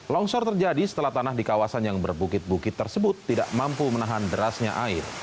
longsor terjadi setelah tanah di kawasan yang berbukit bukit tersebut tidak mampu menahan derasnya air